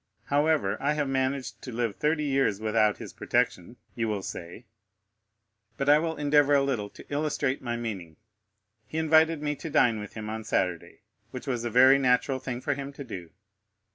However, I have managed to live thirty years without this protection, you will say; but I will endeavor a little to illustrate my meaning. He invited me to dine with him on Saturday, which was a very natural thing for him to do.